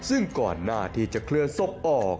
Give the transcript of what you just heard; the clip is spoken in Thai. ซึ่งก่อนหน้าที่จะเคลื่อนศพออก